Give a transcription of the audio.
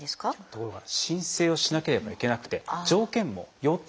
ところが申請をしなければいけなくて条件も４つ。